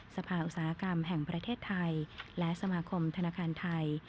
สภาอุตสาหกรรมแห่งประเทศไทยและสมาคมธนาคารไทย